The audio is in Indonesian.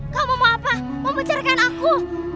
kamu mau apa mau pecahkan aku